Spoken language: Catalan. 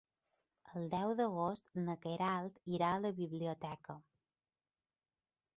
El deu d'agost na Queralt irà a la biblioteca.